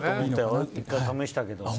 俺も１回試したけど。